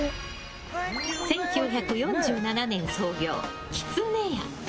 １９４７年創業、きつねや。